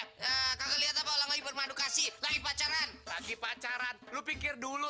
kagak lihat apa orang lagi bermadukasi lagi pacaran lagi pacaran lu pikir dulu